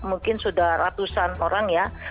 mungkin sudah ratusan orang ya